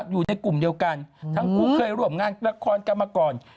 อยู่ในกลุ่มเดียวกันทั้งคู่เคยร่วมงานละครกันมาก่อน